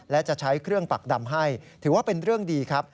และจะใช้เครื่องปักดำให้ถือว่าเป็นเรื่องดีครับ